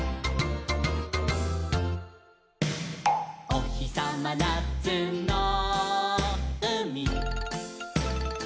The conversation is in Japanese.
「おひさまなつのうみ」